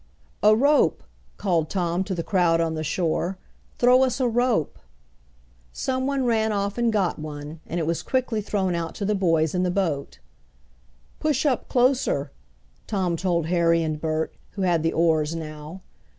"A rope," called Tom to the crowd on the shore. "Throw us a rope!" Someone ran off and got one, and it was quickly thrown out to the boys in the boat. "Push up closer," Tom told Harry and Bert, who had the oars now.